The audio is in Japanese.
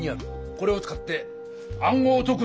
これを使って暗号をとくんだ。